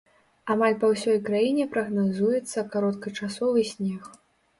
Амаль па ўсёй краіне прагназуецца кароткачасовы снег.